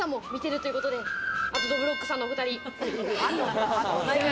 あと、どぶろっくさんのお２人。